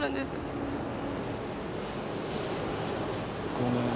ごめん。